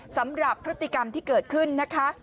สำหรับพฤติกรรมที่เกิดขึ้นนะคะ